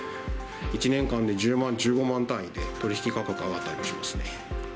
１年間で１０万、１５万単位で取り引き価格が上がったりしますね。